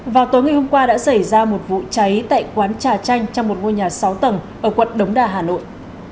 vào tối ngày hôm qua đã xảy ra một vụ cháy tại quán trà chanh trong một ngôi nhà sáu tầng ở quận đống đà hà nội